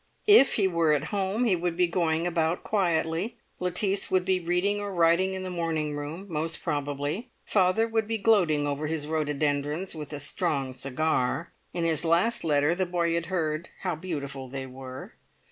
If he were at home, he would be going about quietly. Lettice would be reading or writing in the morning room, most probably. Father would be gloating over his rhododendrons with a strong cigar; in his last letter the boy had heard how beautiful they were.